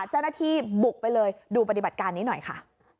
เจ้าหน้าที่บุกไปเลยดูปฏิบัติการนี้หน่อยค่ะ